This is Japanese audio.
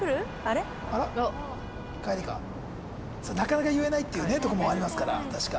中々言えないっていうねとこもありますから確か。